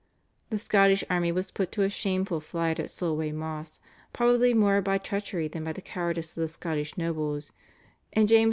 The Scottish army was put to a shameful flight at Solway Moss, probably more by treachery than by the cowardice of the Scottish nobles, and James V.